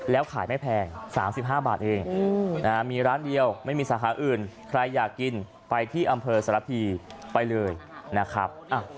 แล้วขายไม่แพง๓๕บาทเองมีร้านเดียวไม่มีสาขาอื่นใครอยากกินไปที่อำเภอสารพีไปเลยนะครับ